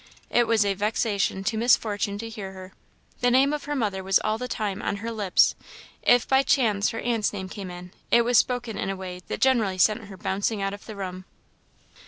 It was a vexation to Miss Fortune to hear her. The name of her mother was all the time on her lips; if by chance her aunt's name came in, it was spoken in a way that generally sent her bouncing out of the room.